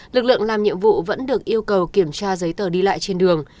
lực lượng làm nhiệm vụ vẫn được yêu cầu kiểm tra giấy tờ đi lại trên đường